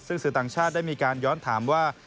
ซึ่งสื่อต่างชาติได้มีการย้อนถามว่า